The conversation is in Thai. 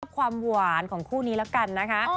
ความหวานของคู่นี้แล้วกันนะคะ